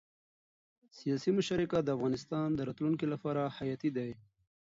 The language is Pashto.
سیاسي مشارکت د افغانستان د راتلونکي لپاره حیاتي دی